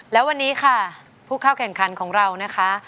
แล้ววันนี้ค่ะผู้เข้าแข่งขันของเรานะคะ